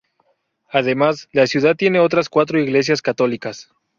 Además, la ciudad tiene otras cuatro iglesias católicas.